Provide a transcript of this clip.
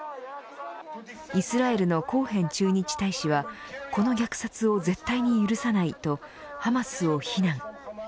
イスラエルのコーヘン駐日大使はこの虐殺を絶対に許さないとハマスを非難。